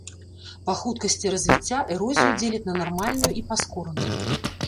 Па хуткасці развіцця эрозію дзеляць на нармальную і паскораную.